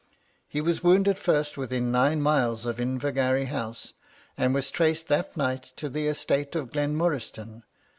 He was wounded first within nine miles of Invergarry House, and was traced that night to the estate of Glenmoriston.